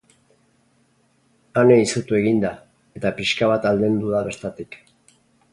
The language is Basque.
Ane izutu egin da, eta pixka bat aldendu da bertatik.